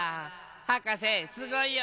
はかせすごいよ！